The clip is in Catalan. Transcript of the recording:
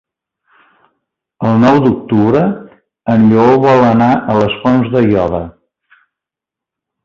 El nou d'octubre en Lleó vol anar a les Fonts d'Aiòder.